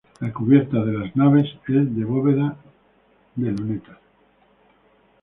La cubierta de las naves es de bóvedas de lunetas.